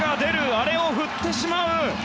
あれを振ってしまう。